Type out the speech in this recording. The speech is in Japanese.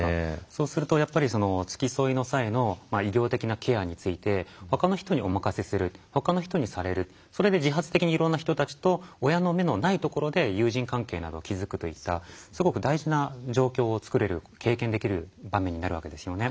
そうすると付き添いの際の医療的なケアについてほかの人にお任せするほかの人にされるそれで自発的にいろんな人たちと親の目のないところで友人関係などを築くといったすごく大事な状況を作れる経験できる場面になるわけですよね。